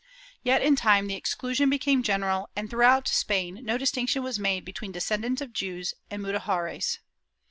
^ Yet in time the exclusion became general, and throughout Spain no distinction was made between descendants of Jews and Mudejares.